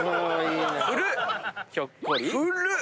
古っ！